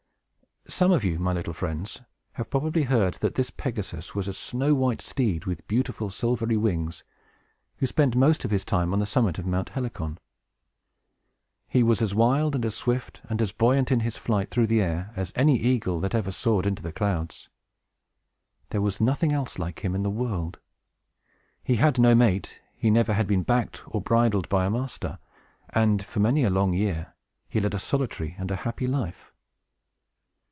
Some of you, my little friends, have probably heard that this Pegasus was a snow white steed, with beautiful silvery wings, who spent most of his time on the summit of Mount Helicon. He was as wild, and as swift, and as buoyant, in his flight through the air, as any eagle that ever soared into the clouds. There was nothing else like him in the world. He had no mate; he never had been backed or bridled by a master; and, for many a long year, he led a solitary and a happy life.